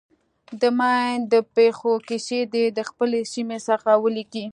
د ماین د پېښو کیسې دې د خپلې سیمې څخه ولیکي.